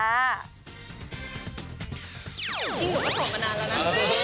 จริงผมก็ขอบมานานแล้วนะ